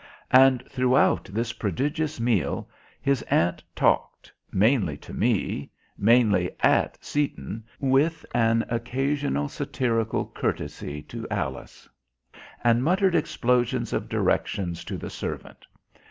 And throughout this prodigious meal his aunt talked, mainly to me, mainly at Seaton, with an occasional satirical courtesy to Alice and muttered explosions of directions to the servant.